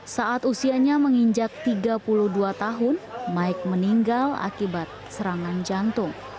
saat usianya menginjak tiga puluh dua tahun mike meninggal akibat serangan jantung